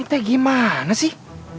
ini teh gimana sih